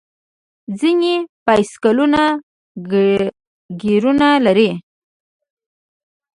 ځینې بایسکلونه ګیرونه لري.